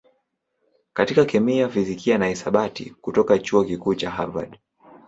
katika kemia, fizikia na hisabati kutoka Chuo Kikuu cha Harvard.